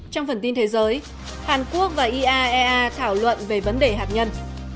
trong phần tin thế giới hàn quốc và iaea thảo luận về vấn đề hạt nhân